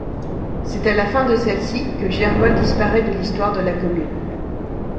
C’est à la fin de celle-ci que Germolles disparaît de l’histoire de la commune.